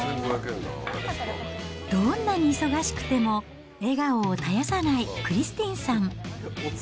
どんなに忙しくても笑顔を絶やさないクリスティンさん。